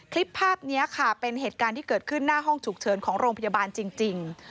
คลิปภาพนี้ค่ะเป็นเหตุการณ์ที่เกิดขึ้นหน้าห้องฉุกเฉินของโรงพยาบาลจริง